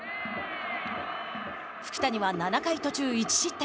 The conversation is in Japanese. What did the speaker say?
福谷は７回途中１失点。